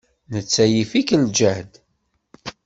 Netta yif-ik ljehd.